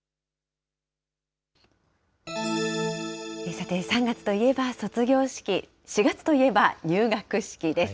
さて、３月といえば卒業式、４月といえば入学式です。